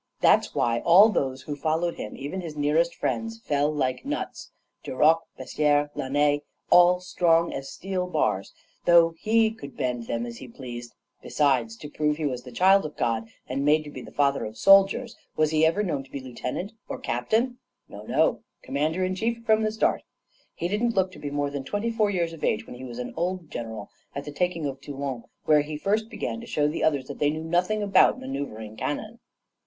That's why all those who followed him, even his nearest friends, fell like nuts Duroc, Bessières, Lannes all strong as steel bars, though he could bend them as he pleased. Besides to prove he was the child of God, and made to be the father of soldiers was he ever known to be lieutenant or captain? No, no; commander in chief from the start. He didn't look to be more than twenty four years of age when he was an old general at the taking of Toulon, where he first began to show the others that they knew nothing about manoeuvring cannon.